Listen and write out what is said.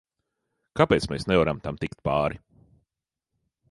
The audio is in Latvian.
Kāpēc mēs nevaram tam tikt pāri?